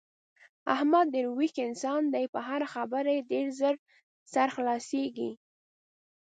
احمد ډېر ویښ انسان دی په هره خبره یې ډېر زر سر خلاصېږي.